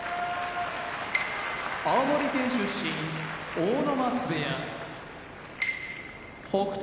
青森県出身阿武松部屋北勝